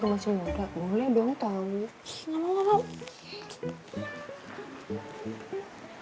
nggak mau ngopeng